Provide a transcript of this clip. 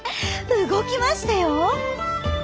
動きましたよ！